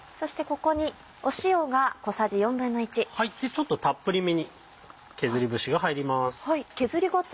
ちょっとたっぷりめに削り節が入ります。